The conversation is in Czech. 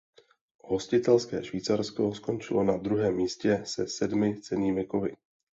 Hostitelské Švýcarsko skončilo na druhém místě se sedmi cennými kovy.